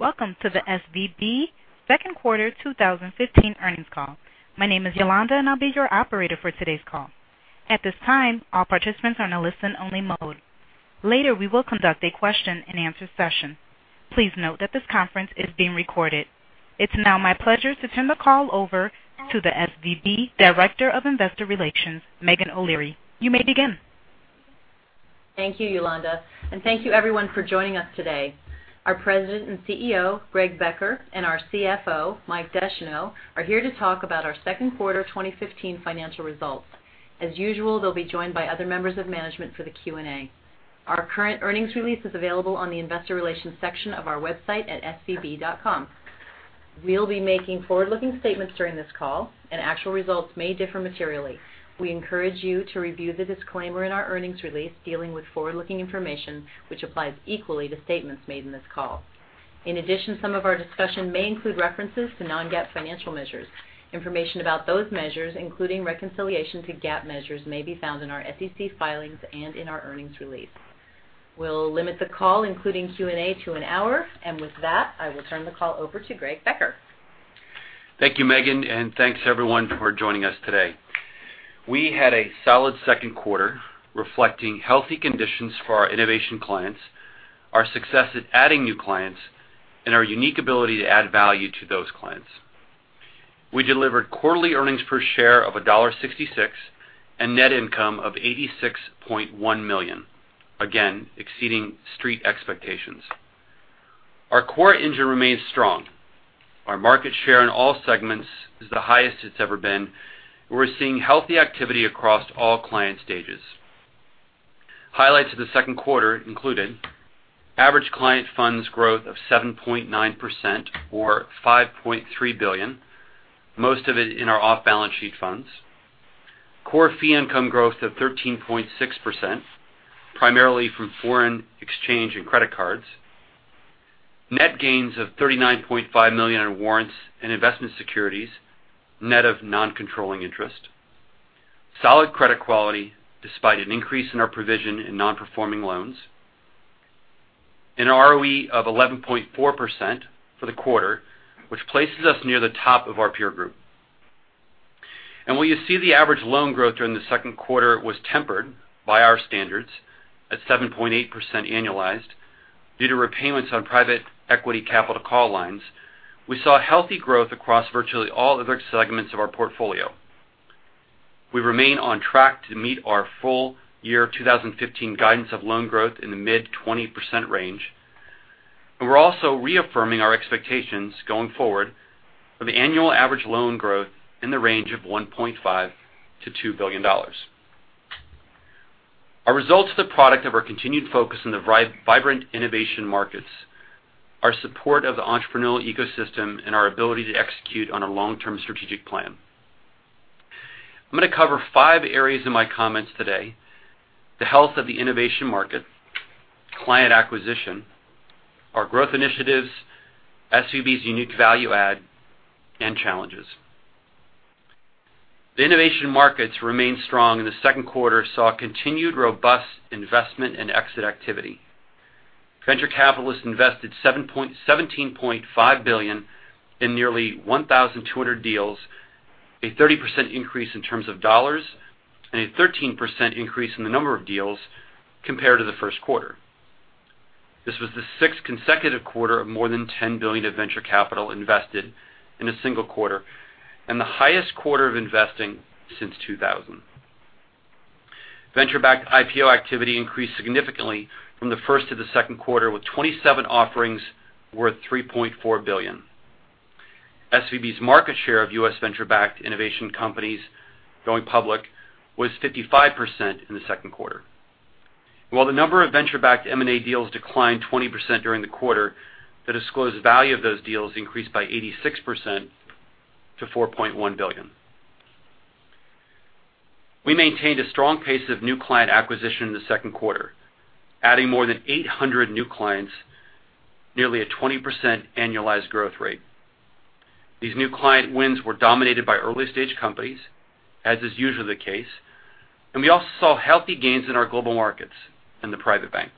Welcome to the SVB second quarter 2015 earnings call. My name is Yolanda, and I'll be your operator for today's call. At this time, all participants are on a listen-only mode. Later, we will conduct a question and answer session. Please note that this conference is being recorded. It's now my pleasure to turn the call over to the SVB Director of Investor Relations, Meghan O'Leary. You may begin. Thank you, Yolanda, and thank you everyone for joining us today. Our President and CEO, Greg Becker, and our CFO, Mike Descheneaux, are here to talk about our second quarter 2015 financial results. As usual, they'll be joined by other members of management for the Q&A. Our current earnings release is available on the Investor Relations section of our website at svb.com. We'll be making forward-looking statements during this call, and actual results may differ materially. We encourage you to review the disclaimer in our earnings release dealing with forward-looking information, which applies equally to statements made in this call. In addition, some of our discussion may include references to non-GAAP financial measures. Information about those measures, including reconciliation to GAAP measures, may be found in our SEC filings and in our earnings release. We'll limit the call, including Q&A, to an hour. With that, I will turn the call over to Greg Becker. Thank you, Meghan, and thanks everyone for joining us today. We had a solid second quarter reflecting healthy conditions for our innovation clients, our success at adding new clients, and our unique ability to add value to those clients. We delivered quarterly earnings per share of $1.66 and net income of $86.1 million, again, exceeding street expectations. Our core engine remains strong. Our market share in all segments is the highest it's ever been. We're seeing healthy activity across all client stages. Highlights of the second quarter included average client funds growth of 7.9% or $5.3 billion, most of it in our off-balance sheet funds. Core fee income growth of 13.6%, primarily from foreign exchange and credit cards. Net gains of $39.5 million in warrants and investment securities, net of non-controlling interest. Solid credit quality despite an increase in our provision in non-performing loans. An ROE of 11.4% for the quarter, which places us near the top of our peer group. While you see the average loan growth during the second quarter was tempered by our standards at 7.8% annualized due to repayments on private equity capital call lines, we saw healthy growth across virtually all other segments of our portfolio. We remain on track to meet our full year 2015 guidance of loan growth in the mid-20% range. We are also reaffirming our expectations going forward for the annual average loan growth in the range of $1.5 billion to $2 billion. Our results are the product of our continued focus on the vibrant innovation markets, our support of the entrepreneurial ecosystem, and our ability to execute on a long-term strategic plan. I am going to cover five areas in my comments today: the health of the innovation market, client acquisition, our growth initiatives, SVB's unique value add, and challenges. The innovation markets remain strong. The second quarter saw continued robust investment and exit activity. Venture capitalists invested $17.5 billion in nearly 1,200 deals, a 30% increase in terms of dollars and a 13% increase in the number of deals compared to the first quarter. This was the sixth consecutive quarter of more than $10 billion of venture capital invested in a single quarter and the highest quarter of investing since 2000. Venture-backed IPO activity increased significantly from the first to the second quarter, with 27 offerings worth $3.4 billion. SVB's market share of U.S. venture-backed innovation companies going public was 55% in the second quarter. While the number of venture-backed M&A deals declined 20% during the quarter, the disclosed value of those deals increased by 86% to $4.1 billion. We maintained a strong pace of new client acquisition in the second quarter, adding more than 800 new clients, nearly a 20% annualized growth rate. These new client wins were dominated by early-stage companies, as is usually the case. We also saw healthy gains in our global markets in the private bank.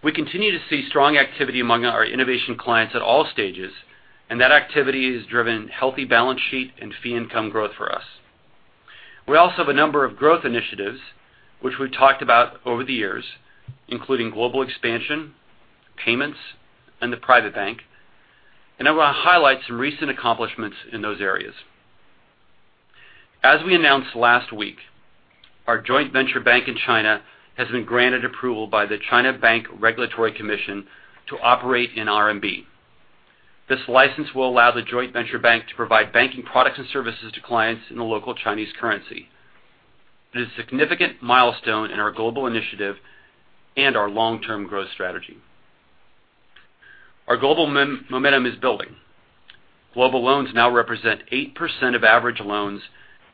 We continue to see strong activity among our innovation clients at all stages. That activity has driven healthy balance sheet and fee income growth for us. We also have a number of growth initiatives which we have talked about over the years, including global expansion, payments, and the private bank. I want to highlight some recent accomplishments in those areas. As we announced last week, our joint venture bank in China has been granted approval by the China Banking Regulatory Commission to operate in RMB. This license will allow the joint venture bank to provide banking products and services to clients in the local Chinese currency. It is a significant milestone in our global initiative and our long-term growth strategy. Our global momentum is building. Global loans now represent 8% of average loans.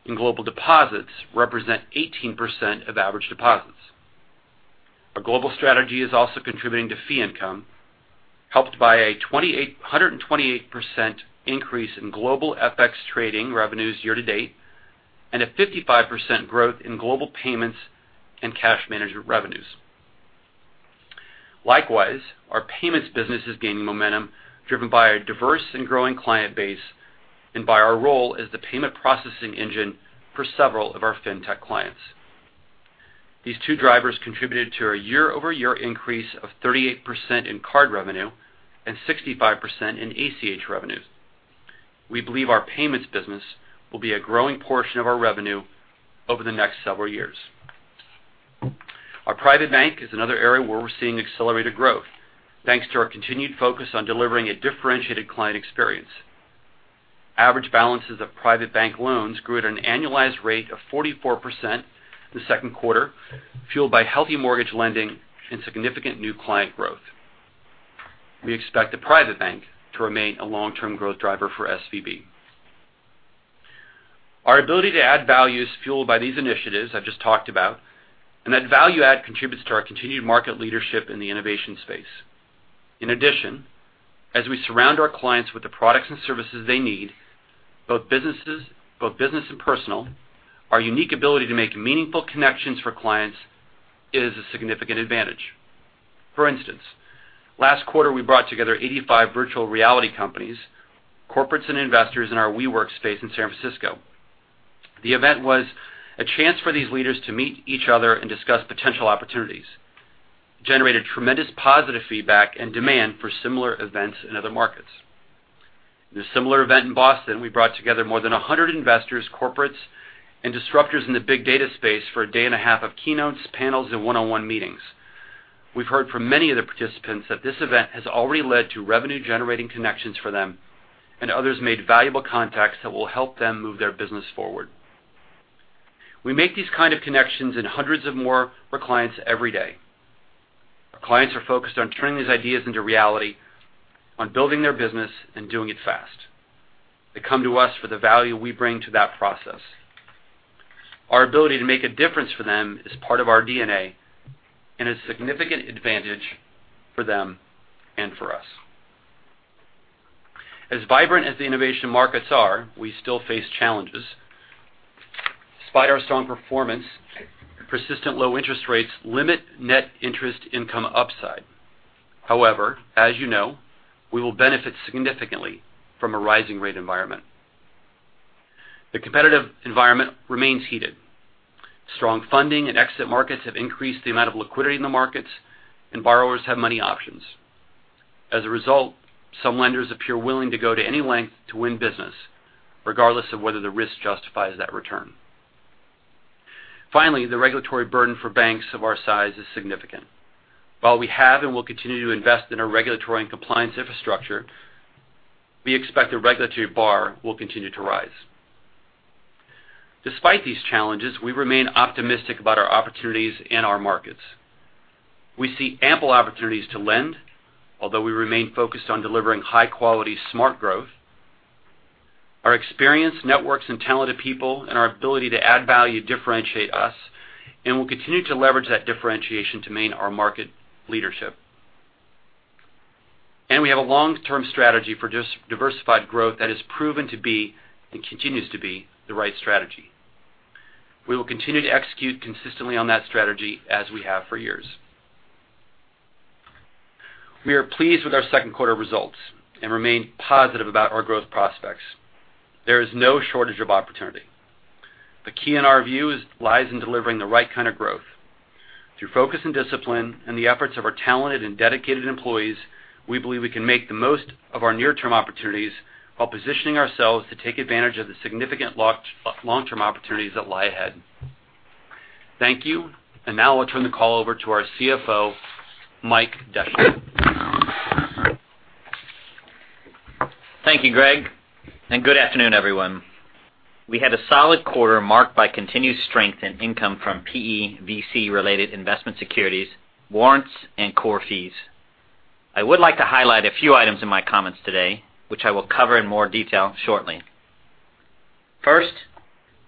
Global deposits represent 18% of average deposits. Our global strategy is also contributing to fee income, helped by a 128% increase in global FX trading revenues year to date and a 55% growth in global payments and cash management revenues. Likewise, our payments business is gaining momentum, driven by a diverse and growing client base, and by our role as the payment processing engine for several of our Fintech clients. These two drivers contributed to a year-over-year increase of 38% in card revenue and 65% in ACH revenue. We believe our payments business will be a growing portion of our revenue over the next several years. Our private bank is another area where we're seeing accelerated growth, thanks to our continued focus on delivering a differentiated client experience. Average balances of private bank loans grew at an annualized rate of 44% the second quarter, fueled by healthy mortgage lending and significant new client growth. We expect the private bank to remain a long-term growth driver for SVB. Our ability to add value is fueled by these initiatives I've just talked about, and that value add contributes to our continued market leadership in the innovation space. In addition, as we surround our clients with the products and services they need, both business and personal, our unique ability to make meaningful connections for clients is a significant advantage. For instance, last quarter, we brought together 85 virtual reality companies, corporates, and investors in our WeWork space in San Francisco. The event was a chance for these leaders to meet each other and discuss potential opportunities. It generated tremendous positive feedback and demand for similar events in other markets. In a similar event in Boston, we brought together more than 100 investors, corporates, and disruptors in the big data space for a day and a half of keynotes, panels, and one-on-one meetings. We've heard from many of the participants that this event has already led to revenue-generating connections for them, and others made valuable contacts that will help them move their business forward. We make these kind of connections and hundreds of more for clients every day. Our clients are focused on turning these ideas into reality, on building their business and doing it fast. They come to us for the value we bring to that process. Our ability to make a difference for them is part of our DNA and a significant advantage for them and for us. As vibrant as the innovation markets are, we still face challenges. Despite our strong performance, persistent low interest rates limit net interest income upside. However, as you know, we will benefit significantly from a rising rate environment. The competitive environment remains heated. Strong funding and exit markets have increased the amount of liquidity in the markets, and borrowers have many options. As a result, some lenders appear willing to go to any length to win business, regardless of whether the risk justifies that return. Finally, the regulatory burden for banks of our size is significant. While we have and will continue to invest in a regulatory and compliance infrastructure, we expect the regulatory bar will continue to rise. Despite these challenges, we remain optimistic about our opportunities in our markets. We see ample opportunities to lend, although we remain focused on delivering high-quality smart growth. Our experienced networks and talented people and our ability to add value differentiate us, and we'll continue to leverage that differentiation to maintain our market leadership. We have a long-term strategy for diversified growth that has proven to be, and continues to be, the right strategy. We will continue to execute consistently on that strategy as we have for years. We are pleased with our second quarter results and remain positive about our growth prospects. There is no shortage of opportunity. The key in our view lies in delivering the right kind of growth. Through focus and discipline and the efforts of our talented and dedicated employees, we believe we can make the most of our near-term opportunities while positioning ourselves to take advantage of the significant long-term opportunities that lie ahead. Thank you. Now I'll turn the call over to our CFO, Michael Descheneaux. Thank you, Greg. Good afternoon, everyone. We had a solid quarter marked by continued strength in income from PE VC-related investment securities, warrants, and core fees. I would like to highlight a few items in my comments today, which I will cover in more detail shortly. First,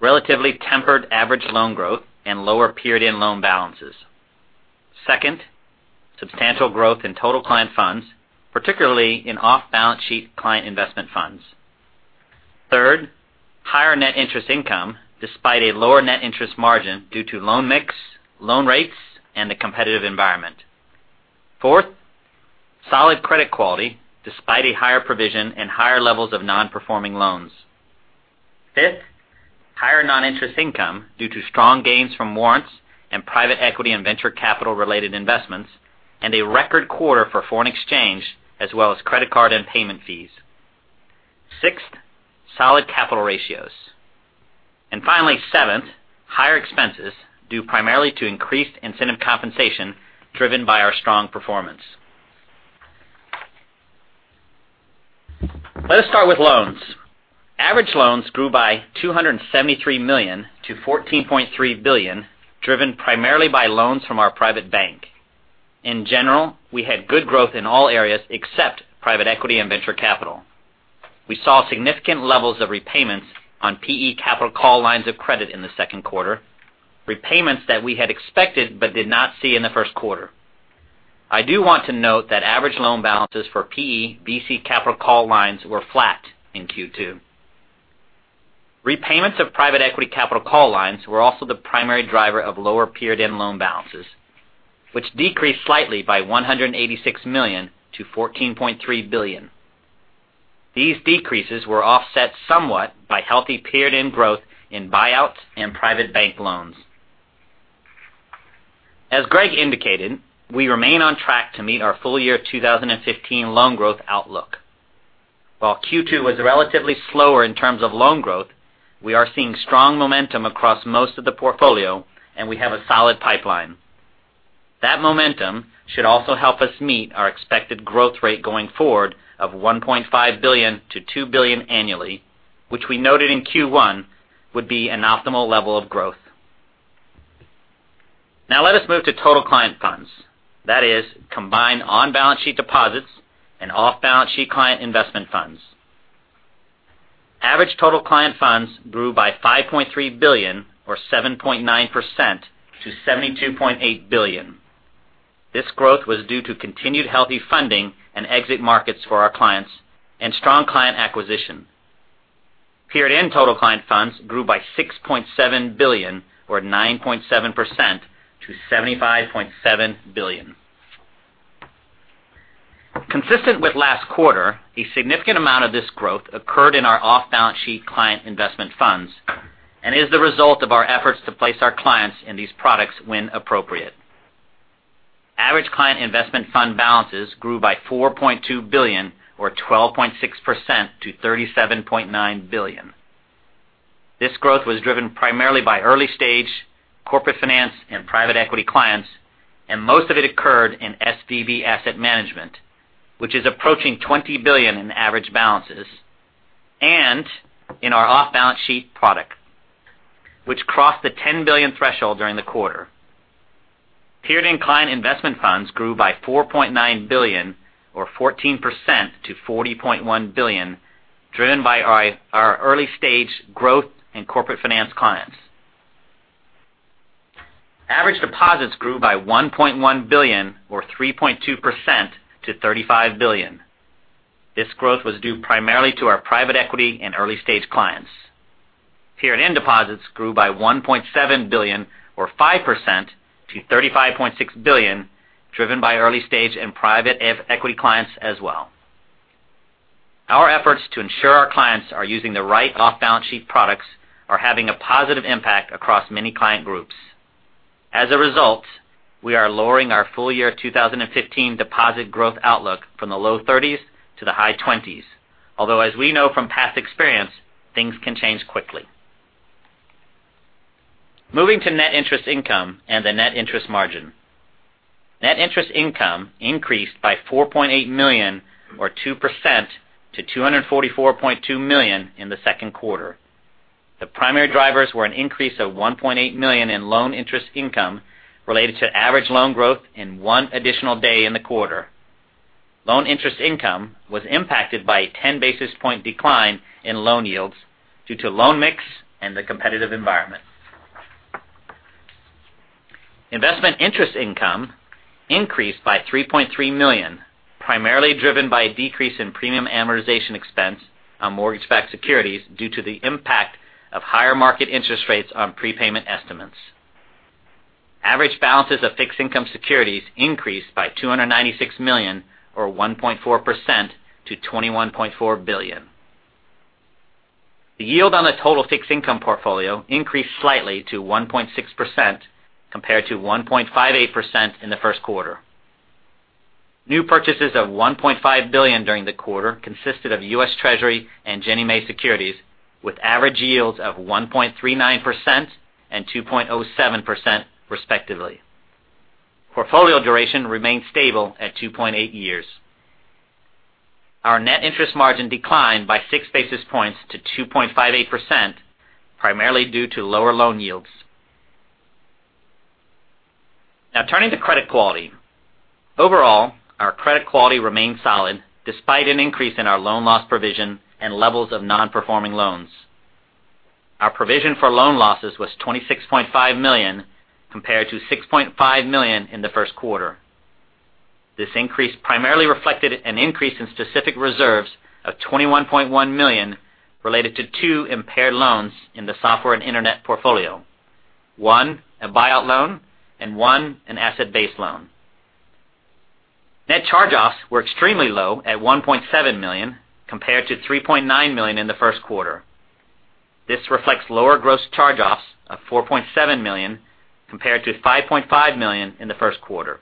relatively tempered average loan growth and lower period-end loan balances. Second, substantial growth in total client funds, particularly in off-balance sheet client investment funds. Third, higher net interest income despite a lower net interest margin due to loan mix, loan rates, and the competitive environment. Fourth, solid credit quality despite a higher provision and higher levels of non-performing loans. Fifth, higher non-interest income due to strong gains from warrants and private equity and venture capital-related investments, and a record quarter for foreign exchange as well as credit card and payment fees. Sixth, solid capital ratios. Finally, seventh, higher expenses due primarily to increased incentive compensation driven by our strong performance. Let us start with loans. Average loans grew by $273 million to $14.3 billion, driven primarily by loans from our private bank. In general, we had good growth in all areas except private equity and venture capital. We saw significant levels of repayments on PE capital call lines of credit in the second quarter, repayments that we had expected but did not see in the first quarter. I do want to note that average loan balances for PE VC capital call lines were flat in Q2. Repayments of private equity capital call lines were also the primary driver of lower period-end loan balances, which decreased slightly by $186 million to $14.3 billion. These decreases were offset somewhat by healthy period-end growth in buyouts and private bank loans. As Greg indicated, we remain on track to meet our full year 2015 loan growth outlook. While Q2 was relatively slower in terms of loan growth, we are seeing strong momentum across most of the portfolio, we have a solid pipeline. That momentum should also help us meet our expected growth rate going forward of $1.5 billion to $2 billion annually, which we noted in Q1 would be an optimal level of growth. Let us move to total client funds. That is, combined on-balance sheet deposits and off-balance sheet client investment funds. Average total client funds grew by $5.3 billion or 7.9% to $72.8 billion. This growth was due to continued healthy funding and exit markets for our clients and strong client acquisition. Period-end total client funds grew by $6.7 billion or 9.7% to $75.7 billion. Consistent with last quarter, a significant amount of this growth occurred in our off-balance sheet client investment funds and is the result of our efforts to place our clients in these products when appropriate. Average client investment fund balances grew by $4.2 billion or 12.6% to $37.9 billion. This growth was driven primarily by early stage corporate finance and private equity clients, and most of it occurred in SVB Asset Management, which is approaching $20 billion in average balances, and in our off-balance sheet product, which crossed the $10 billion threshold during the quarter. Period-end client investment funds grew by $4.9 billion or 14% to $40.1 billion, driven by our early stage growth and corporate finance clients. Average deposits grew by $1.1 billion or 3.2% to $35 billion. This growth was due primarily to our private equity and early stage clients. Period-end deposits grew by $1.7 billion or 5% to $35.6 billion, driven by early stage and private equity clients as well. Our efforts to ensure our clients are using the right off-balance sheet products are having a positive impact across many client groups. As a result, we are lowering our full year 2015 deposit growth outlook from the low 30s to the high 20s. As we know from past experience, things can change quickly. Moving to net interest income and the net interest margin. Net interest income increased by $4.8 million or 2% to $244.2 million in the second quarter. The primary drivers were an increase of $1.8 million in loan interest income related to average loan growth and one additional day in the quarter. Loan interest income was impacted by a 10 basis point decline in loan yields due to loan mix and the competitive environment. Investment interest income increased by $3.3 million, primarily driven by a decrease in premium amortization expense on mortgage-backed securities due to the impact of higher market interest rates on prepayment estimates. Average balances of fixed income securities increased by $296 million or 1.4% to $21.4 billion. The yield on the total fixed income portfolio increased slightly to 1.6% compared to 1.58% in the first quarter. New purchases of $1.5 billion during the quarter consisted of US Treasury and Ginnie Mae securities, with average yields of 1.39% and 2.07%, respectively. Portfolio duration remained stable at 2.8 years. Our net interest margin declined by six basis points to 2.58%, primarily due to lower loan yields. Now turning to credit quality. Overall, our credit quality remained solid despite an increase in our loan loss provision and levels of non-performing loans. Our provision for loan losses was $26.5 million, compared to $6.5 million in the first quarter. This increase primarily reflected an increase in specific reserves of $21.1 million related to two impaired loans in the software and internet portfolio. One, a buyout loan, and one, an asset-based loan. Net charge-offs were extremely low at $1.7 million, compared to $3.9 million in the first quarter. This reflects lower gross charge-offs of $4.7 million compared to $5.5 million in the first quarter.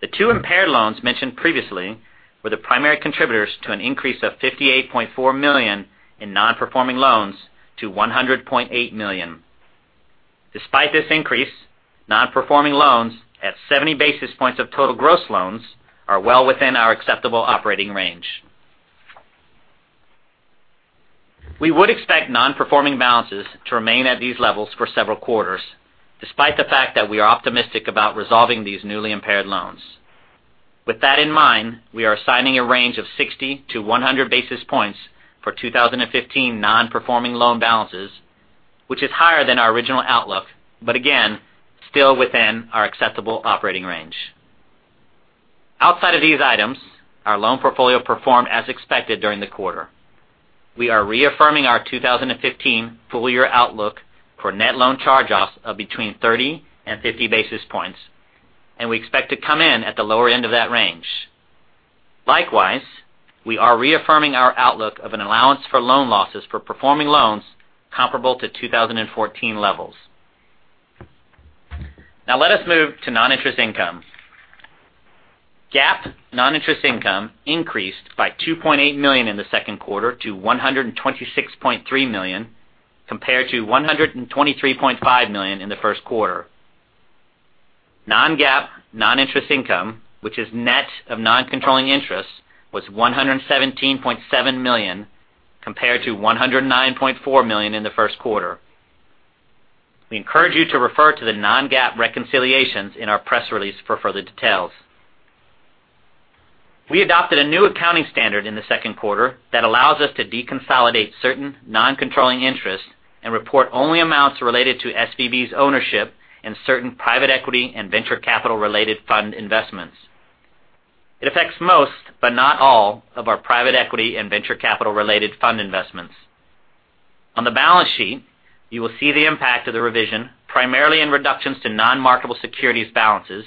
The two impaired loans mentioned previously were the primary contributors to an increase of $58.4 million in non-performing loans to $100.8 million. Despite this increase, non-performing loans at 70 basis points of total gross loans are well within our acceptable operating range. We would expect non-performing balances to remain at these levels for several quarters, despite the fact that we are optimistic about resolving these newly impaired loans. With that in mind, we are assigning a range of 60 to 100 basis points for 2015 non-performing loan balances, which is higher than our original outlook, but again, still within our acceptable operating range. Outside of these items, our loan portfolio performed as expected during the quarter. We are reaffirming our 2015 full-year outlook for net loan charge-offs of between 30 and 50 basis points, and we expect to come in at the lower end of that range. Likewise, we are reaffirming our outlook of an allowance for loan losses for performing loans comparable to 2014 levels. Let us move to non-interest income. GAAP non-interest income increased by $2.8 million in the second quarter to $126.3 million, compared to $123.5 million in the first quarter. Non-GAAP non-interest income, which is net of non-controlling interests, was $117.7 million, compared to $109.4 million in the first quarter. We encourage you to refer to the non-GAAP reconciliations in our press release for further details. We adopted a new accounting standard in the second quarter that allows us to deconsolidate certain non-controlling interests and report only amounts related to SVB's ownership in certain private equity and venture capital-related fund investments. It affects most, but not all, of our private equity and venture capital-related fund investments. On the balance sheet, you will see the impact of the revision primarily in reductions to non-marketable securities balances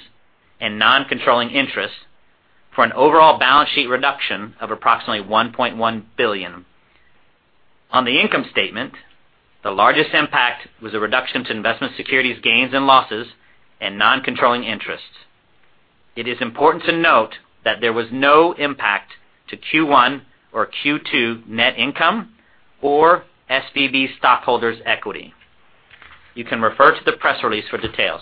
and non-controlling interests for an overall balance sheet reduction of approximately $1.1 billion. On the income statement, the largest impact was a reduction to investment securities gains and losses and non-controlling interests. It is important to note that there was no impact to Q1 or Q2 net income or SVB stockholders' equity. You can refer to the press release for details.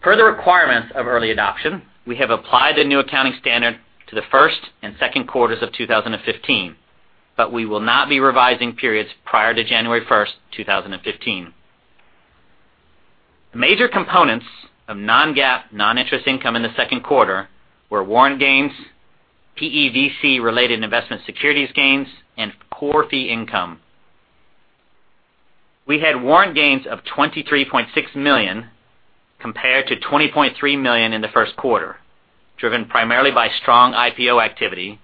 Per the requirements of early adoption, we have applied the new accounting standard to the first and second quarters of 2015. We will not be revising periods prior to January 1st, 2015. The major components of non-GAAP non-interest income in the second quarter were warrant gains, PEVC-related investment securities gains, and core fee income. We had warrant gains of $23.6 million compared to $20.3 million in the first quarter, driven primarily by strong IPO activity,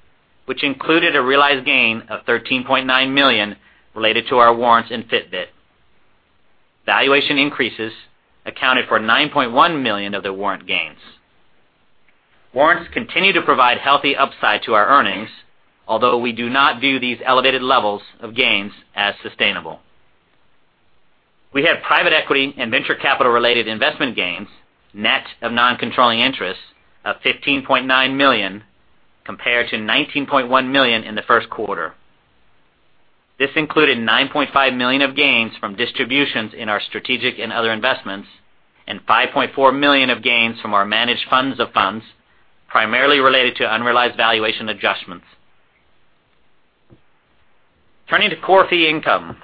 which included a realized gain of $13.9 million related to our warrants in Fitbit. Valuation increases accounted for $9.1 million of the warrant gains. Warrants continue to provide healthy upside to our earnings, although we do not view these elevated levels of gains as sustainable. We have private equity and venture capital-related investment gains, net of non-controlling interests, of $15.9 million, compared to $19.1 million in the first quarter. This included $9.5 million of gains from distributions in our strategic and other investments and $5.4 million of gains from our managed funds of funds, primarily related to unrealized valuation adjustments. Turning to core fee income.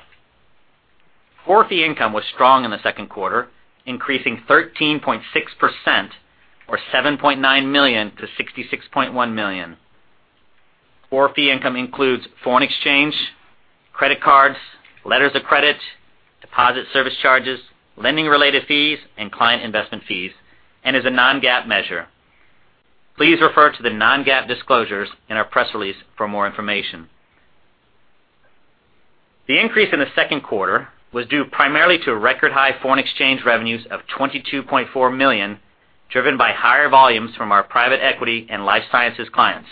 Core fee income was strong in the second quarter, increasing 13.6%, or $7.9 million to $66.1 million. Core fee income includes foreign exchange, credit cards, letters of credit, deposit service charges, lending-related fees, and client investment fees. It is a non-GAAP measure. Please refer to the non-GAAP disclosures in our press release for more information. The increase in the second quarter was due primarily to record-high foreign exchange revenues of $22.4 million, driven by higher volumes from our private equity and life sciences clients,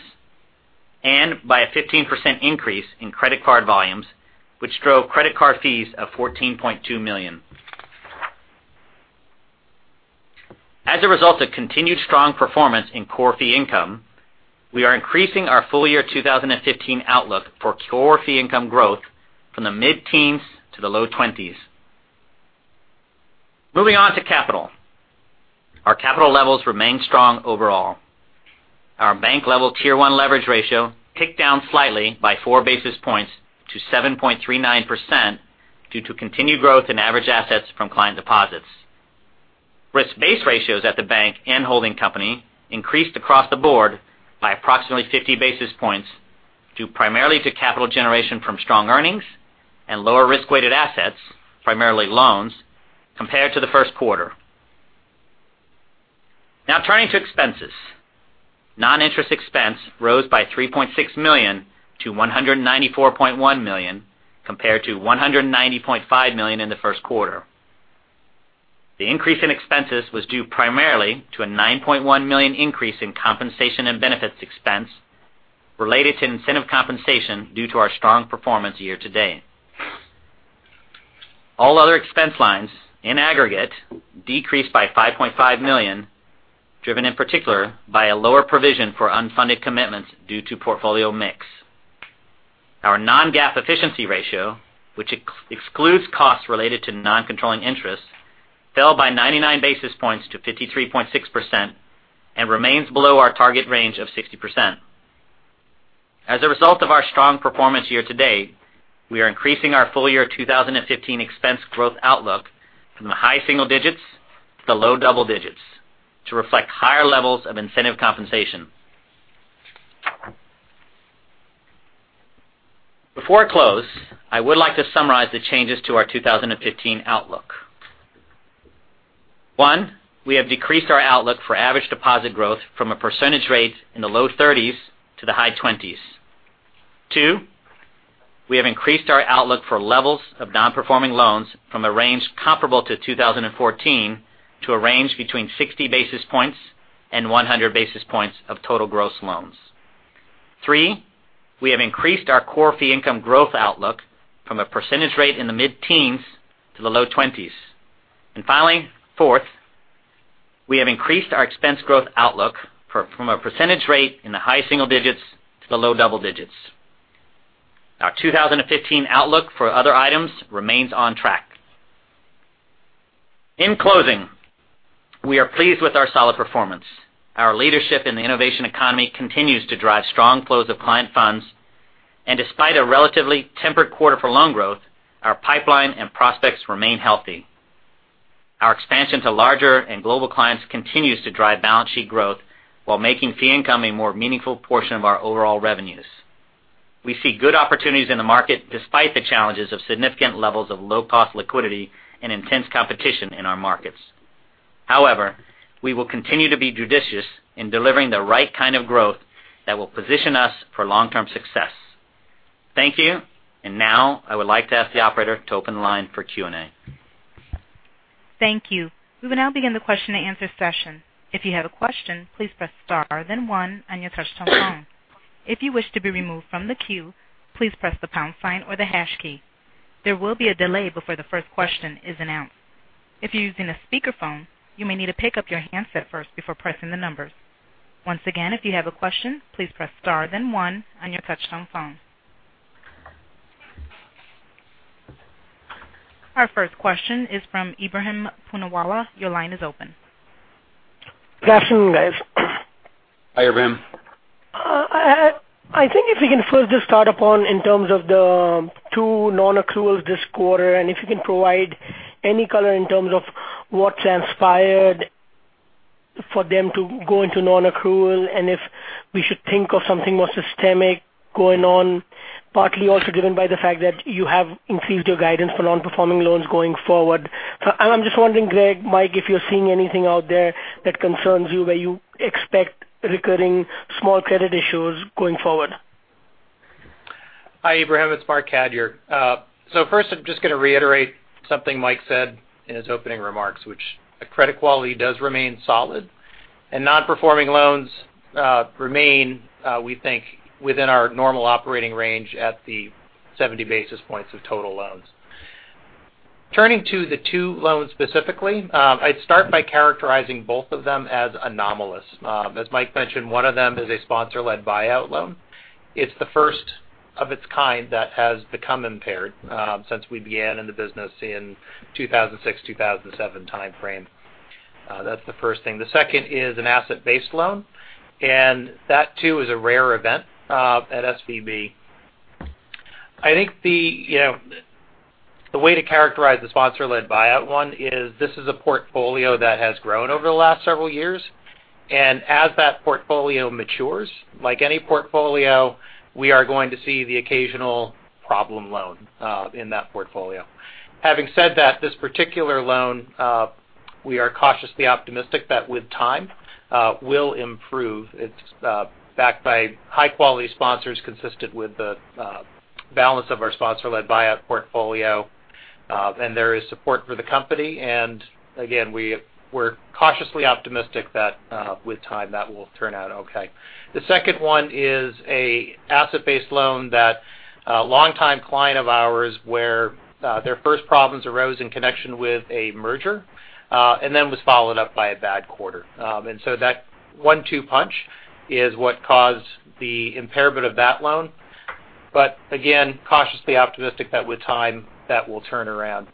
and by a 15% increase in credit card volumes, which drove credit card fees of $14.2 million. As a result of continued strong performance in core fee income, we are increasing our full-year 2015 outlook for core fee income growth from the mid-teens to the low 20s. Moving on to capital. Our capital levels remain strong overall. Our bank-level Tier 1 leverage ratio ticked down slightly by four basis points to 7.39% due to continued growth in average assets from client deposits. Risk-based ratios at the bank and holding company increased across the board by approximately 50 basis points, due primarily to capital generation from strong earnings and lower risk-weighted assets, primarily loans, compared to the first quarter. Turning to expenses. Non-interest expense rose by $3.6 million to $194.1 million, compared to $190.5 million in the first quarter. The increase in expenses was due primarily to a $9.1 million increase in compensation and benefits expense related to incentive compensation due to our strong performance year-to-date. All other expense lines in aggregate decreased by $5.5 million, driven in particular by a lower provision for unfunded commitments due to portfolio mix. Our non-GAAP efficiency ratio, which excludes costs related to non-controlling interests, fell by 99 basis points to 53.6% and remains below our target range of 60%. As a result of our strong performance year-to-date, we are increasing our full-year 2015 expense growth outlook from the high single digits to the low double digits to reflect higher levels of incentive compensation. Before I close, I would like to summarize the changes to our 2015 outlook. One, we have decreased our outlook for average deposit growth from a percentage rate in the low 30s to the high 20s. Two, we have increased our outlook for levels of non-performing loans from a range comparable to 2014 to a range between 60 basis points and 100 basis points of total gross loans. Three, we have increased our core fee income growth outlook from a percentage rate in the mid-teens to the low 20s. Finally, fourth, we have increased our expense growth outlook from a percentage rate in the high single digits to the low double digits. Our 2015 outlook for other items remains on track. In closing, we are pleased with our solid performance. Our leadership in the innovation economy continues to drive strong flows of client funds, and despite a relatively tempered quarter for loan growth, our pipeline and prospects remain healthy. Our expansion to larger and global clients continues to drive balance sheet growth while making fee income a more meaningful portion of our overall revenues. We see good opportunities in the market despite the challenges of significant levels of low-cost liquidity and intense competition in our markets. However, we will continue to be judicious in delivering the right kind of growth that will position us for long-term success. Thank you. Now I would like to ask the operator to open the line for Q&A. Thank you. We will now begin the question and answer session. If you have a question, please press star then one on your touchtone phone. If you wish to be removed from the queue, please press the pound sign or the hash key. There will be a delay before the first question is announced. If you are using a speakerphone, you may need to pick up your handset first before pressing the numbers. Once again, if you have a question, please press star then one on your touchtone phone. Our first question is from Ebrahim Poonawala. Your line is open. Good afternoon, guys. Hi, Ebrahim. I think if we can first just start upon in terms of the two non-accruals this quarter, and if you can provide any color in terms of what has transpired for them to go into non-accrual, and if we should think of something more systemic going on, partly also given by the fact that you have increased your guidance for non-performing loans going forward. I am just wondering, Greg, Mike, if you are seeing anything out there that concerns you where you expect recurring small credit issues going forward? Hi, Ebrahim. It's Marc Cadieux. First I'm just going to reiterate something Mike said in his opening remarks, which credit quality does remain solid and non-performing loans remain, we think, within our normal operating range at the 70 basis points of total loans. Turning to the two loans specifically, I'd start by characterizing both of them as anomalous. As Mike mentioned, one of them is a sponsor-led buyout loan. It's the first of its kind that has become impaired since we began in the business in 2006, 2007 timeframe. That's the first thing. The second is an asset-based loan, and that too is a rare event at SVB. I think the way to characterize the sponsor-led buyout one is this is a portfolio that has grown over the last several years. As that portfolio matures, like any portfolio, we are going to see the occasional problem loan in that portfolio. Having said that, this particular loan, we are cautiously optimistic that with time will improve. It's backed by high-quality sponsors consistent with the balance of our sponsor-led buyout portfolio. There is support for the company. Again, we're cautiously optimistic that with time, that will turn out okay. The second one is an asset-based loan that a longtime client of ours where their first problems arose in connection with a merger, and then was followed up by a bad quarter. That one-two punch is what caused the impairment of that loan. Again, cautiously optimistic that with time, that will turn around.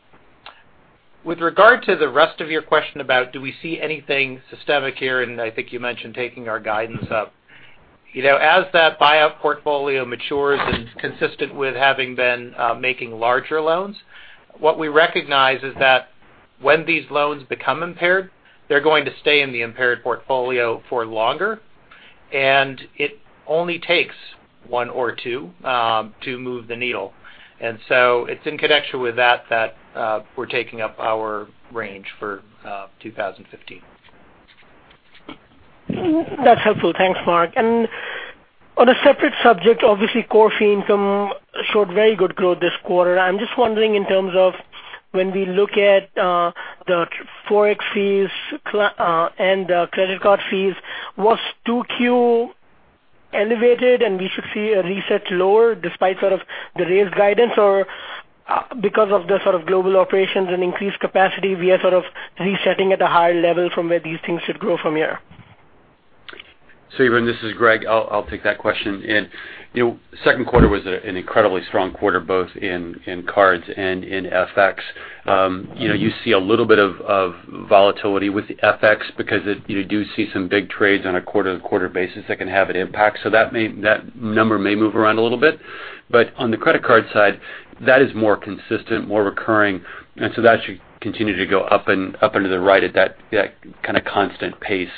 With regard to the rest of your question about do we see anything systemic here, I think you mentioned taking our guidance up. As that buyout portfolio matures, consistent with having been making larger loans, what we recognize is that when these loans become impaired, they're going to stay in the impaired portfolio for longer. It only takes one or two to move the needle. It's in connection with that that we're taking up our range for 2015. That's helpful. Thanks, Marc. On a separate subject, obviously, core fee income showed very good growth this quarter. I'm just wondering in terms of when we look at the Forex fees and the credit card fees, was 2Q elevated and we should see a reset lower despite sort of the raised guidance? Because of the sort of global operations and increased capacity, we are sort of resetting at a higher level from where these things should grow from here? This is Greg. I'll take that question. You know. The second quarter was an incredibly strong quarter, both in cards and in FX. You see a little bit of volatility with the FX because you do see some big trades on a quarter-to-quarter basis that can have an impact. That number may move around a little bit. On the credit card side, that is more consistent, more recurring, that should continue to go up and to the right at that kind of constant pace.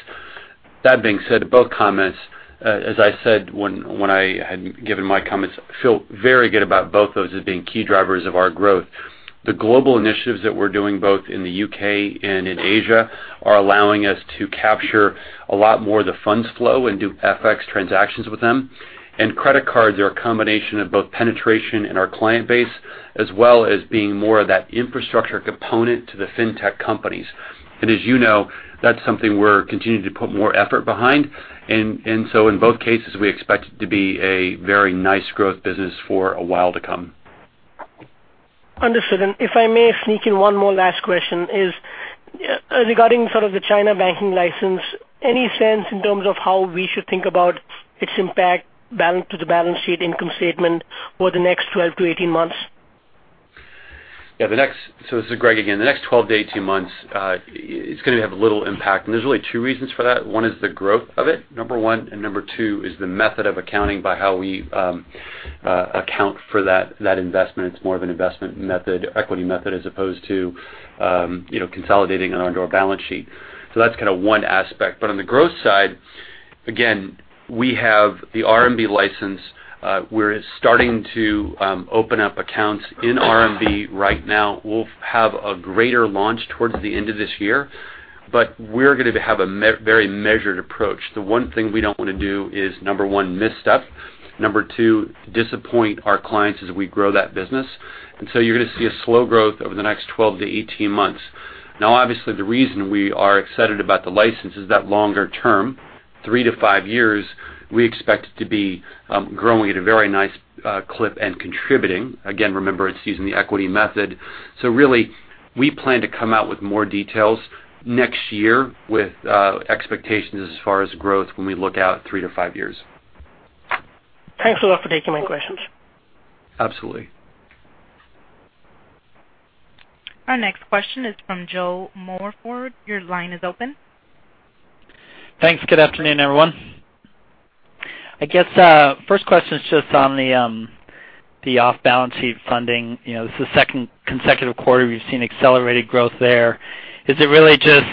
That being said, both comments, as I said when I had given my comments, feel very good about both those as being key drivers of our growth. The global initiatives that we're doing, both in the U.K. and in Asia, are allowing us to capture a lot more of the funds flow and do FX transactions with them. Credit cards are a combination of both penetration in our client base, as well as being more of that infrastructure component to the Fintech companies. As you know, that's something we're continuing to put more effort behind. In both cases, we expect it to be a very nice growth business for a while to come. Understood. If I may sneak in one more last question is, regarding sort of the China banking license, any sense in terms of how we should think about its impact to the balance sheet income statement over the next 12-18 months? Yeah. This is Greg again. The next 12 to 18 months, it's going to have a little impact, and there's really two reasons for that. One is the growth of it, number 1, and number 2 is the method of accounting by how we account for that investment. It's more of an investment method, equity method, as opposed to consolidating it onto our balance sheet. That's kind of one aspect. On the growth side, again, we have the RMB license. We're starting to open up accounts in RMB right now. We'll have a greater launch towards the end of this year. We're going to have a very measured approach. The one thing we don't want to do is, number 1, misstep, number 2, disappoint our clients as we grow that business. You're going to see a slow growth over the next 12 to 18 months. Now, obviously, the reason we are excited about the license is that longer term, three to five years, we expect it to be growing at a very nice clip and contributing. Again, remember, it's using the equity method. Really, we plan to come out with more details next year with expectations as far as growth when we look out three to five years. Thanks a lot for taking my questions. Absolutely. Our next question is from Joe Morford. Your line is open. Thanks. Good afternoon, everyone. I guess first question is just on the off-balance sheet funding. This is the second consecutive quarter we've seen accelerated growth there. Is it really just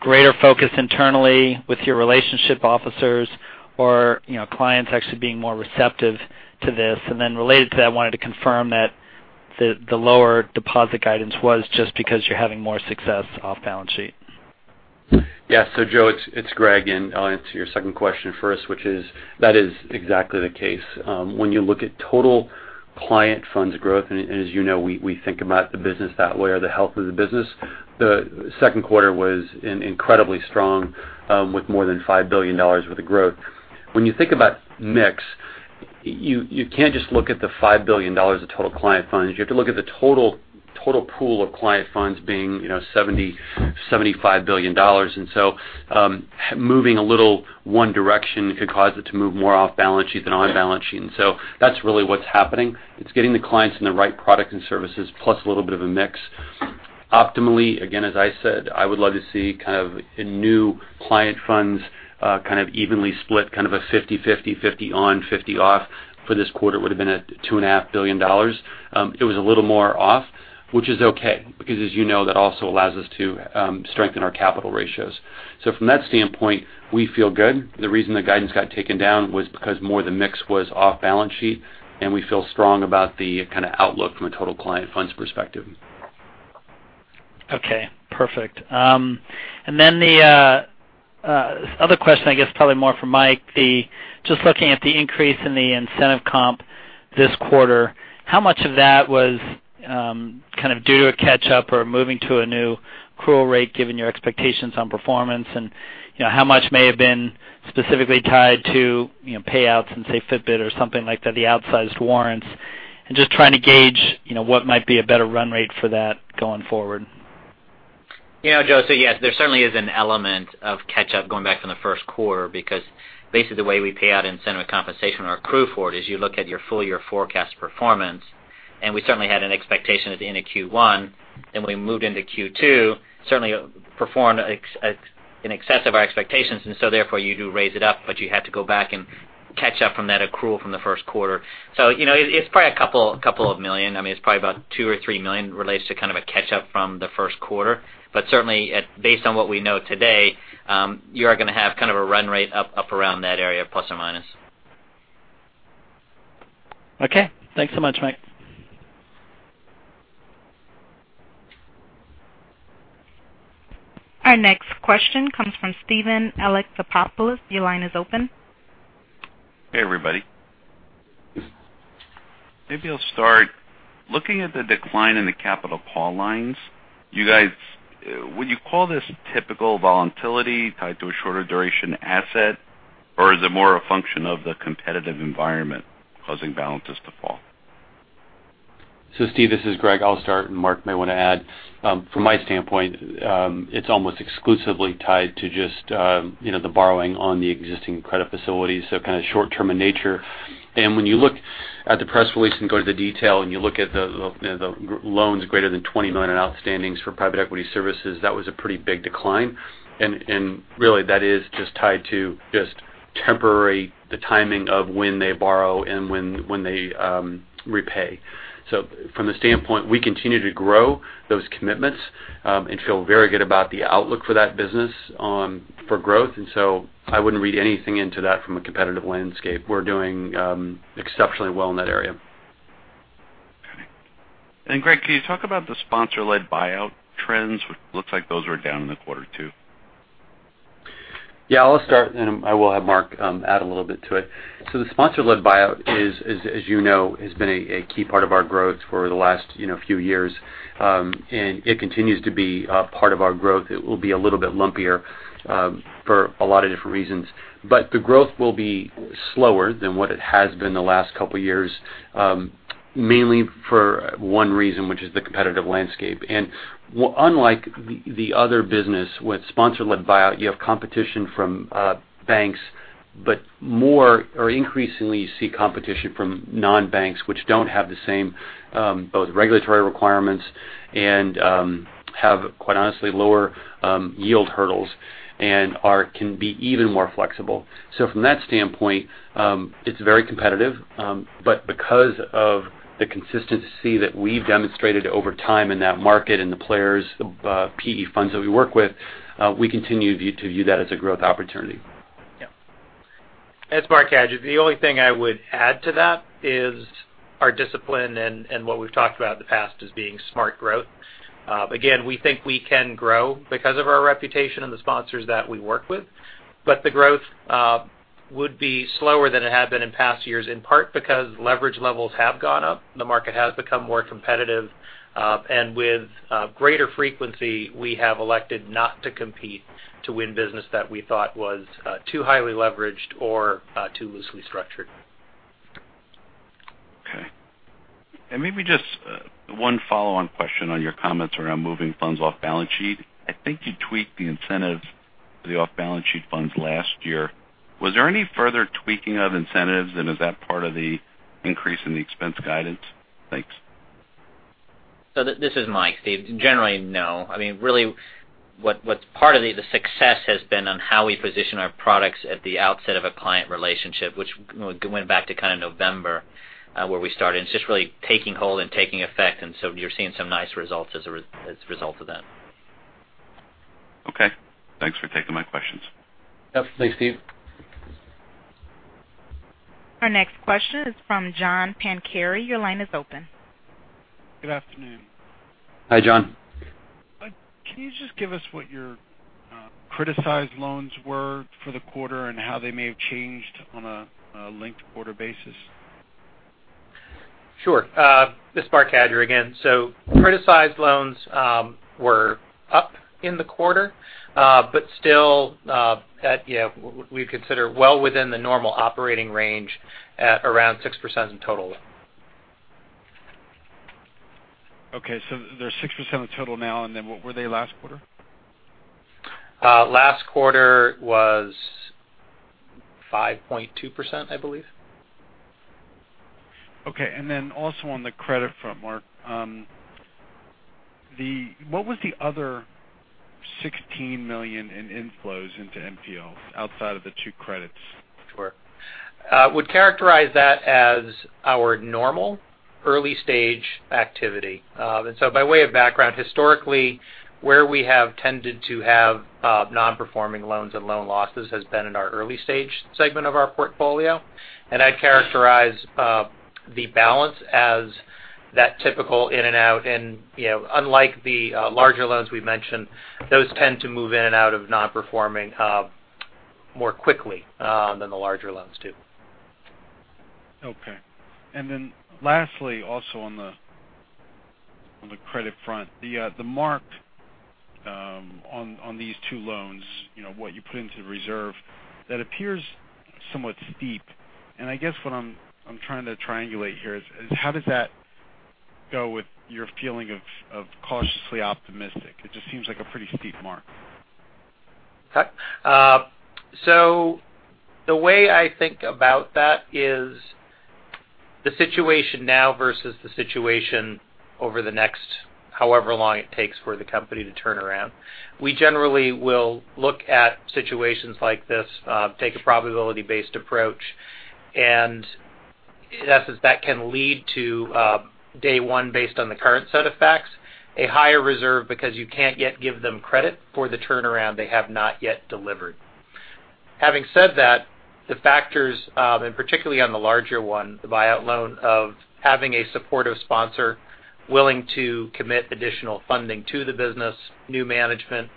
greater focus internally with your relationship officers or clients actually being more receptive to this? Related to that, I wanted to confirm that the lower deposit guidance was just because you're having more success off balance sheet. Yeah. Joe, it's Greg, and I'll answer your second question first, which is, that is exactly the case. When you look at total client funds growth, and as you know, we think about the business that way or the health of the business, the second quarter was incredibly strong with more than $5 billion worth of growth. When you think about mix, you can't just look at the $5 billion of total client funds. You have to look at the total pool of client funds being $75 billion. Moving a little one direction could cause it to move more off balance sheet than on balance sheet. That's really what's happening. It's getting the clients in the right product and services, plus a little bit of a mix. Optimally, again, as I said, I would love to see kind of a new client funds kind of evenly split, kind of a 50/50 on, 50 off for this quarter would've been at $2.5 billion. It was a little more off, which is okay, because as you know, that also allows us to strengthen our capital ratios. From that standpoint, we feel good. The reason the guidance got taken down was because more of the mix was off balance sheet, and we feel strong about the kind of outlook from a total client funds perspective. Okay, perfect. The other question, I guess probably more for Mike, just looking at the increase in the incentive comp this quarter, how much of that was kind of due to a catch-up or moving to a new accrual rate given your expectations on performance? How much may have been specifically tied to payouts in, say, Fitbit or something like that, the outsized warrants? Just trying to gauge what might be a better run rate for that going forward. Joe, yes, there certainly is an element of catch-up going back from the first quarter, because the way we pay out incentive compensation or accrue for it is you look at your full-year forecast performance. We certainly had an expectation at the end of Q1. We moved into Q2, certainly performed in excess of our expectations, therefore, you do raise it up, but you have to go back and catch up from that accrual from the first quarter. It's probably a couple of million. I mean, it's probably about $2 million or $3 million relates to kind of a catch-up from the first quarter. Certainly based on what we know today, you are going to have kind of a run rate up around that area, plus or minus. Okay. Thanks so much, Mike. Our next question comes from Steven Alexopoulos. Your line is open. Hey, everybody. Maybe I'll start. Looking at the decline in the capital call lines, would you call this typical volatility tied to a shorter duration asset, or is it more a function of the competitive environment causing balances to fall? Steve, this is Greg. I'll start, and Marc may want to add. From my standpoint, it's almost exclusively tied to just the borrowing on the existing credit facilities, so kind of short-term in nature. When you look at the press release and go to the detail, and you look at the loans greater than $20 million in outstandings for private equity services, that was a pretty big decline. Really, that is just tied to just temporary, the timing of when they borrow and when they repay. From the standpoint, we continue to grow those commitments and feel very good about the outlook for that business for growth. I wouldn't read anything into that from a competitive landscape. We're doing exceptionally well in that area. Okay. Greg, can you talk about the sponsor-led buyout trends, which looks like those are down in the quarter, too? Yeah, I'll start, and I will have Marc add a little bit to it. The sponsor-led buyout is, as you know, has been a key part of our growth for the last few years. It continues to be a part of our growth. It will be a little bit lumpier for a lot of different reasons. The growth will be slower than what it has been the last couple of years, mainly for one reason, which is the competitive landscape. Unlike the other business, with sponsor-led buyout, you have competition from banks, but more or increasingly you see competition from non-banks, which don't have the same both regulatory requirements and have, quite honestly, lower yield hurdles and can be even more flexible. From that standpoint, it's very competitive. Because of the consistency that we've demonstrated over time in that market and the players, the PE funds that we work with, we continue to view that as a growth opportunity. Yeah. It's Marc Cadieux. The only thing I would add to that is our discipline and what we've talked about in the past as being smart growth. Again, we think we can grow because of our reputation and the sponsors that we work with, but the growth would be slower than it had been in past years, in part because leverage levels have gone up. The market has become more competitive. With greater frequency, we have elected not to compete to win business that we thought was too highly leveraged or too loosely structured. Okay. Maybe just one follow-on question on your comments around moving funds off balance sheet. I think you tweaked the incentives for the off-balance sheet funds last year. Was there any further tweaking of incentives, and is that part of the increase in the expense guidance? Thanks. This is Mike, Steve. Generally, no. Part of the success has been on how we position our products at the outset of a client relationship, which going back to kind of November, where we started. It's just really taking hold and taking effect, you're seeing some nice results as a result of that. Okay. Thanks for taking my questions. Yep. Thanks, Steve. Our next question is from John Pancari. Your line is open. Good afternoon. Hi, John. Can you just give us what your criticized loans were for the quarter and how they may have changed on a linked quarter basis? Sure. This is Marc Cadieux again. Criticized loans were up in the quarter but still at what we consider well within the normal operating range at around 6% in total. Okay, they're 6% of total now, then what were they last quarter? Last quarter was 5.2%, I believe. Okay. Also on the credit front, Marc, what was the other $16 million in inflows into NPLs outside of the two credits? Sure. Would characterize that as our normal early-stage activity. By way of background, historically, where we have tended to have non-performing loans and loan losses has been in our early stage segment of our portfolio. I'd characterize the balance as that typical in and out. Unlike the larger loans we mentioned, those tend to move in and out of non-performing more quickly than the larger loans do. Okay. Lastly, also on the credit front, the mark on these two loans, what you put into the reserve, that appears somewhat steep. I guess what I'm trying to triangulate here is how does that go with your feeling of cautiously optimistic? It just seems like a pretty steep mark. Okay. The way I think about that is the situation now versus the situation over the next however long it takes for the company to turn around. We generally will look at situations like this, take a probability-based approach, and in essence, that can lead to day one based on the current set of facts, a higher reserve because you can't yet give them credit for the turnaround they have not yet delivered. Having said that, the factors, particularly on the larger one, the buyout loan of having a supportive sponsor willing to commit additional funding to the business, new management,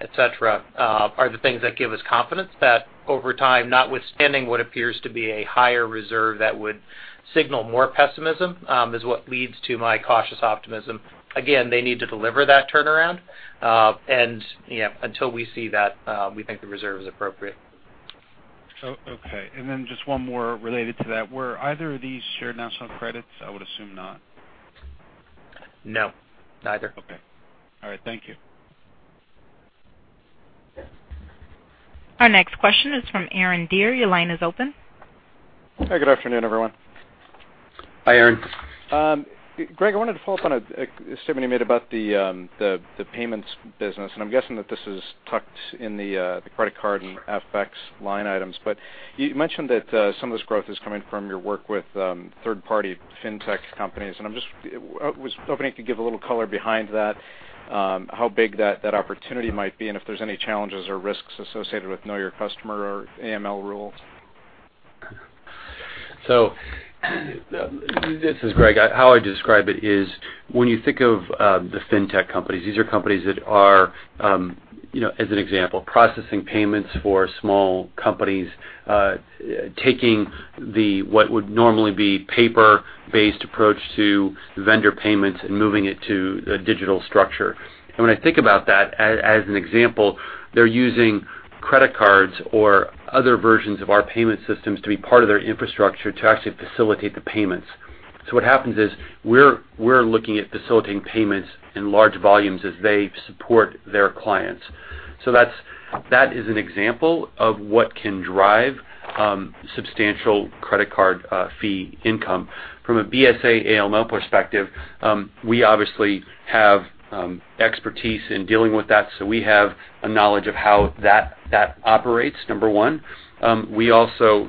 et cetera, are the things that give us confidence that over time, notwithstanding what appears to be a higher reserve that would signal more pessimism, is what leads to my cautious optimism. Again, they need to deliver that turnaround. Until we see that, we think the reserve is appropriate. Okay. Just one more related to that. Were either of these Shared National Credits? I would assume not. No, neither. Okay. All right. Thank you. Our next question is from Aaron Deer. Your line is open. Hi. Good afternoon, everyone. Hi, Aaron. Greg, I wanted to follow up on a statement you made about the payments business, and I'm guessing that this is tucked in the credit card and FX line items. You mentioned that some of this growth is coming from your work with third-party FinTech companies. I was hoping you could give a little color behind that, how big that opportunity might be, and if there's any challenges or risks associated with know your customer or AML rules. This is Greg. How I describe it is when you think of the Fintech companies, these are companies that are, as an example, processing payments for small companies, taking what would normally be paper-based approach to vendor payments and moving it to a digital structure. When I think about that, as an example, they're using credit cards or other versions of our payment systems to be part of their infrastructure to actually facilitate the payments. What happens is, we're looking at facilitating payments in large volumes as they support their clients. That is an example of what can drive substantial credit card fee income. From a BSA AML perspective, we obviously have expertise in dealing with that, so we have a knowledge of how that operates, number one. We also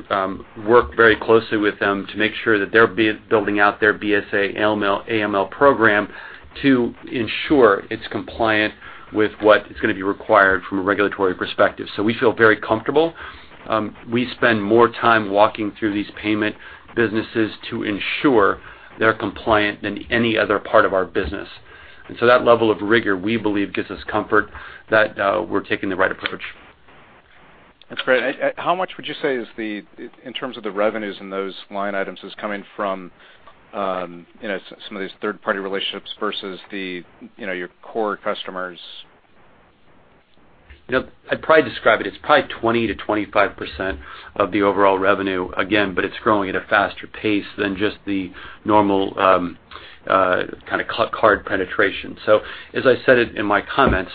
work very closely with them to make sure that they're building out their BSA AML program to ensure it's compliant with what is going to be required from a regulatory perspective. We feel very comfortable. We spend more time walking through these payment businesses to ensure they're compliant than any other part of our business. That level of rigor, we believe, gives us comfort that we're taking the right approach. That's great. How much would you say is the, in terms of the revenues in those line items, is coming from some of these third-party relationships versus your core customers? I'd probably describe it's probably 20%-25% of the overall revenue again, but it's growing at a faster pace than just the normal kind of card penetration. As I said it in my comments,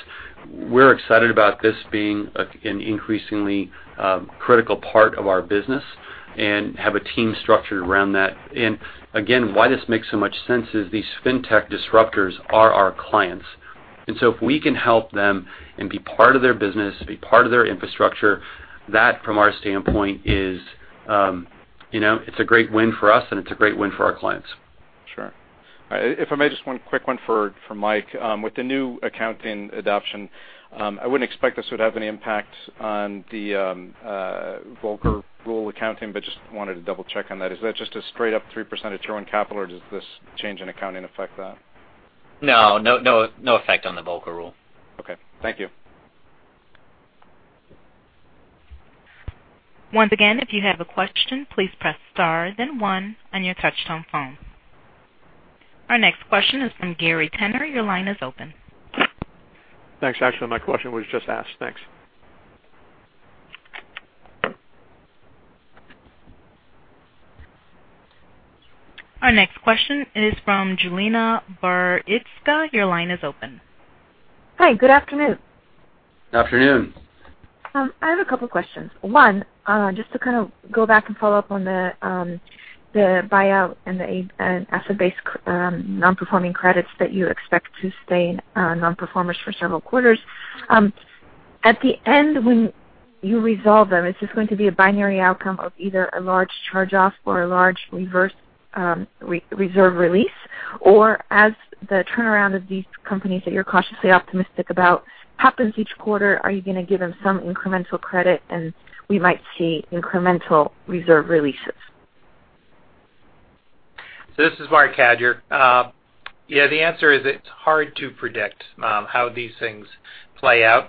we're excited about this being an increasingly critical part of our business and have a team structured around that. Again, why this makes so much sense is these Fintech disruptors are our clients. If we can help them and be part of their business, be part of their infrastructure, that from our standpoint is a great win for us and it's a great win for our clients. Sure. If I may, just one quick one for Mike. With the new accounting adoption, I wouldn't expect this would have any impact on the Volcker Rule accounting, but just wanted to double-check on that. Is that just a straight-up 3% of Tier 1 capital, or does this change in accounting affect that? No. No effect on the Volcker Rule. Okay. Thank you. Once again, if you have a question, please press star then one on your touchtone phone. Our next question is from Gary Tenner. Your line is open. Thanks. Actually, my question was just asked. Thanks. Our next question is from Julianna Balicka. Your line is open. Hi. Good afternoon. Afternoon. I have a couple questions. One, just to kind of go back and follow up on the buyout and the asset-based non-performing credits that you expect to stay non-performers for several quarters. At the end, when you resolve them, is this going to be a binary outcome of either a large charge-off or a large reserve release? Or as the turnaround of these companies that you're cautiously optimistic about happens each quarter, are you going to give them some incremental credit and we might see incremental reserve releases? this is Marc Cadieux. Yeah, the answer is it's hard to predict how these things play out.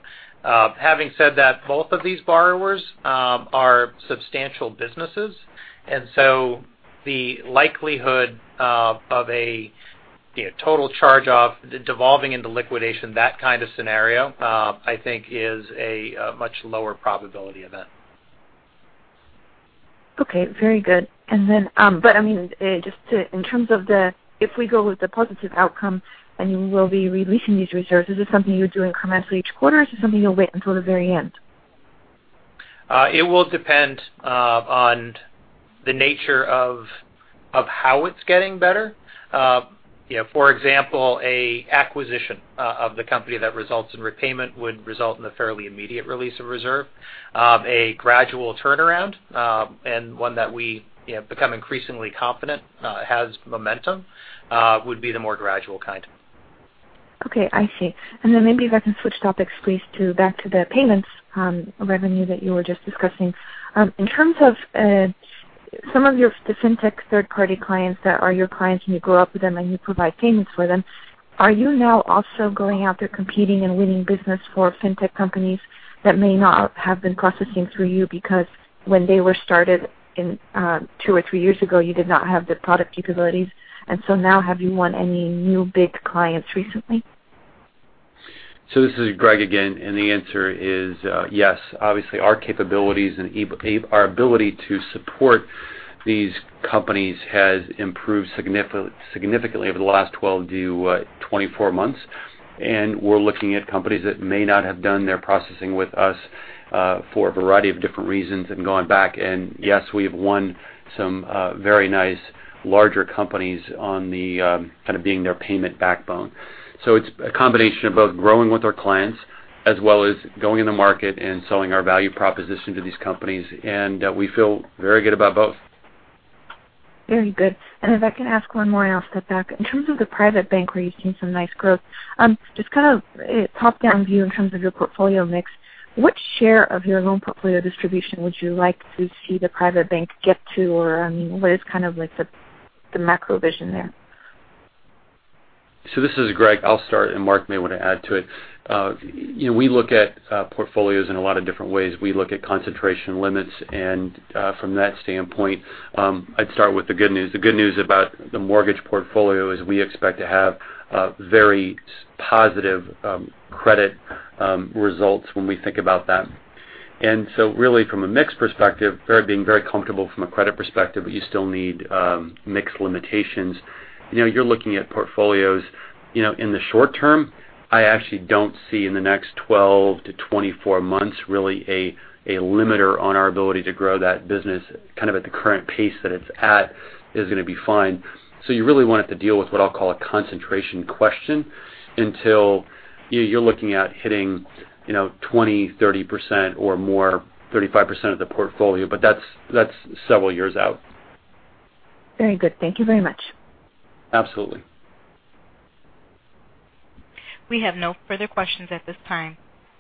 Having said that, both of these borrowers are substantial businesses, the likelihood of a total charge-off devolving into liquidation, that kind of scenario, I think is a much lower probability event. Okay. Very good. Just in terms of the, if we go with the positive outcome and you will be releasing these reserves, is this something you do incrementally each quarter or is this something you'll wait until the very end? It will depend on the nature of how it's getting better. For example, an acquisition of the company that results in repayment would result in a fairly immediate release of reserve. A gradual turnaround, and one that we become increasingly confident has momentum, would be the more gradual kind. Okay. I see. Maybe if I can switch topics, please, back to the payments revenue that you were just discussing. In terms of some of the Fintech third-party clients that are your clients and you grow up with them and you provide payments for them, are you now also going out there competing and winning business for Fintech companies that may not have been processing through you because when they were started two or three years ago, you did not have the product capabilities, now have you won any new big clients recently? This is Greg again, and the answer is yes. Obviously, our capabilities and our ability to support these companies has improved significantly over the last 12 to 24 months. We're looking at companies that may not have done their processing with us for a variety of different reasons and gone back. Yes, we have won some very nice larger companies on the kind of being their payment backbone. It's a combination of both growing with our clients as well as going in the market and selling our value proposition to these companies. We feel very good about both. Very good. If I can ask one more and I'll step back. In terms of the private bank where you've seen some nice growth, just kind of a top-down view in terms of your portfolio mix, what share of your loan portfolio distribution would you like to see the private bank get to? What is kind of like the macro vision there? This is Greg. I'll start, Marc may want to add to it. We look at portfolios in a lot of different ways. We look at concentration limits, from that standpoint, I'd start with the good news. The good news about the mortgage portfolio is we expect to have very positive credit results when we think about that. Really from a mix perspective, being very comfortable from a credit perspective, you still need mix limitations. You're looking at portfolios in the short term. I actually don't see in the next 12 to 24 months really a limiter on our ability to grow that business. Kind of at the current pace that it's at is going to be fine. You really want it to deal with what I'll call a concentration question until you're looking at hitting 20%, 30% or more, 35% of the portfolio. That's several years out. Very good. Thank you very much. Absolutely. We have no further questions at this time.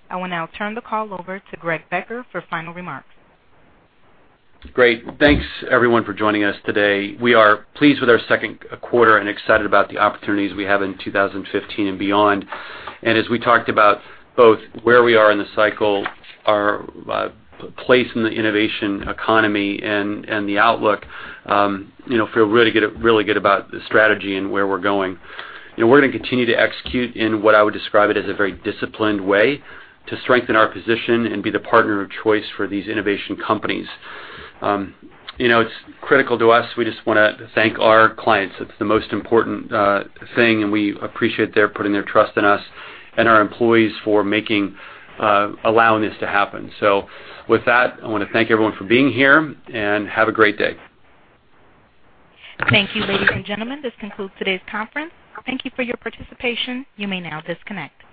I will now turn the call over to Greg Becker for final remarks. Great. Thanks everyone for joining us today. We are pleased with our second quarter and excited about the opportunities we have in 2015 and beyond. As we talked about both where we are in the cycle, our place in the innovation economy and the outlook, feel really good about the strategy and where we're going. We're going to continue to execute in what I would describe it as a very disciplined way to strengthen our position and be the partner of choice for these innovation companies. It's critical to us. We just want to thank our clients. It's the most important thing, and we appreciate their putting their trust in us and our employees for allowing this to happen. With that, I want to thank everyone for being here, and have a great day. Thank you, ladies and gentlemen. This concludes today's conference. Thank you for your participation. You may now disconnect.